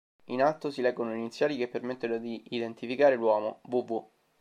In alto si leggono le iniziali che permettono di identificare l'uomo: "V V".